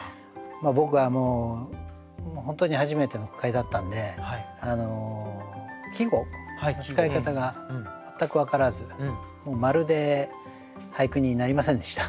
僕はもう本当に初めての句会だったんで季語の使い方が全く分からずまるで俳句になりませんでした。